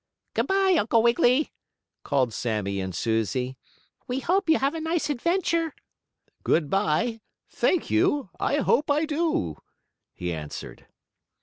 "Good by, Uncle Wiggily!" called Sammie and Susie. "We hope you have a nice adventure," "Good by. Thank you, I hope I do," he answered.